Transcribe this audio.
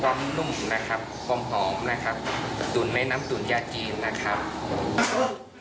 ความหอมนะครับตุ๋นไม้น้ำตุ๋นยาจีนนะครับ